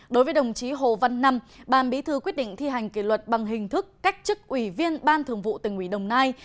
đối với đồng chí hồ văn năm ban bí thư quyết định thi hành kỷ luật bằng hình thức cách chức ủy viên ban thường vụ tỉnh ủy đồng nai